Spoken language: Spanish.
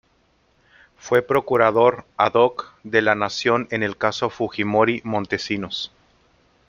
Fue Procurador Ad-Hoc de la Nación en el caso Fujimori-Montesinos.